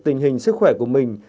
tình hình sức khỏe của mình